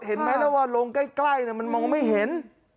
เห็นไหมแล้วว่าลงใกล้มันมองไม่เห็น